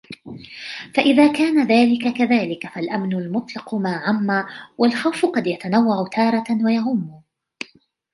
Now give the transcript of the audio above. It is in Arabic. فَإِذَا كَانَ ذَلِكَ كَذَلِكَ فَالْأَمْنُ الْمُطْلَقُ مَا عَمَّ وَالْخَوْفُ قَدْ يَتَنَوَّعُ تَارَةً وَيَعُمُّ